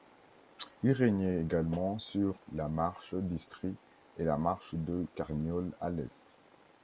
Ils régnaient également sur la marche d'Istrie et la marche de Carniole à l'est.